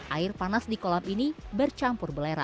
air panas di kolam ini bercampur belera